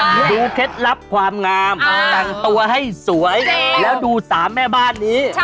เคล็ดลับความงามแต่งตัวให้สวยแล้วดูสามแม่บ้านนี้